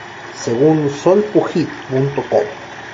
Según solpugid.com